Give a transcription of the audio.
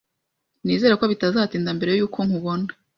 Nizere ko bitazatinda mbere yuko nkubona